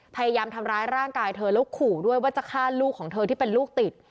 พยายามทำร้ายร่างกายเธอแล้วขู่ด้วยว่าจะฆ่าลูกของเธอที่เป็นลูกติด